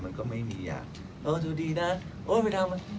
มันก็ไม่มีอย่างโอ้วดูดีนะโอ้วไปทำ